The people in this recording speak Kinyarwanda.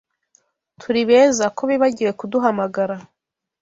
Turi beza ko bibagiwe kuduhamagara.